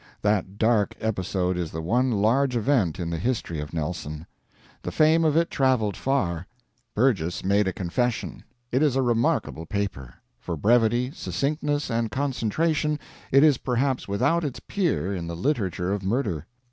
That dark episode is the one large event in the history of Nelson. The fame of it traveled far. Burgess made a confession. It is a remarkable paper. For brevity, succinctness, and concentration, it is perhaps without its peer in the literature of murder.